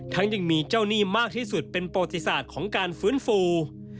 ยังมีเจ้าหนี้มากที่สุดเป็นประวัติศาสตร์ของการฟื้นฟู